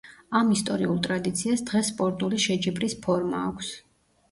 ამ ისტორიულ ტრადიციას დღეს სპორტული შეჯიბრის ფორმა აქვს.